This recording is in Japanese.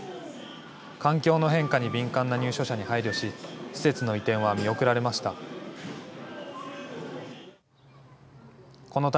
環境の変化に敏感な入所者に配慮し、施設の移転は見送られました。